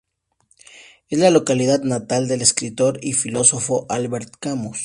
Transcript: Es la localidad natal del escritor y filósofo Albert Camus.